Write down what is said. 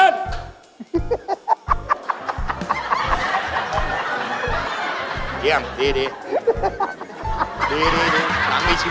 นั่งอีกนั่งอีก